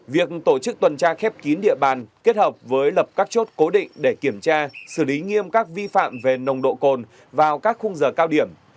việc tổ chức tuần tra khép kín địa bàn kết hợp với lập các chốt cố định để kiểm tra xử lý nghiêm các vi phạm về nồng độ cồn vào các khung giờ cao điểm